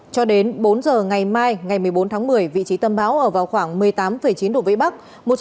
cho đến bốn giờ ngày mai ngày một mươi bốn tháng một mươi vị trí tâm bão ở vào khoảng một mươi tám chín độ vĩ bắc